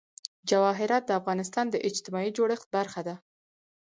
جواهرات د افغانستان د اجتماعي جوړښت برخه ده.